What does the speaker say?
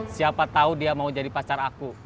siapa tahu dia mau jadi pacar aku